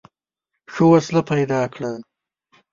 ښه وسیله پیدا کړه.